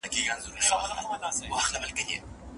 که شاګردان ډېر وي نو استاد ورته پوره وخت هېڅ نسي ورکولای.